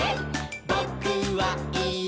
「ぼ・く・は・い・え！